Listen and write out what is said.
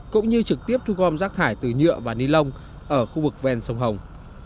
cũng như trực tiếp thu gom rác thải từ nhựa và ni lông ở khu vực ven sông hồng